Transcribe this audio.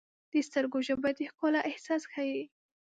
د سترګو ژبه د ښکلا احساس ښیي.